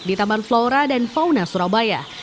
di taman flora dan fauna surabaya